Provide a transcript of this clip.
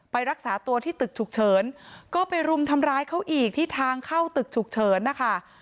รักษาตัวที่ตึกฉุกเฉินก็ไปรุมทำร้ายเขาอีกที่ทางเข้าตึกฉุกเฉินนะคะ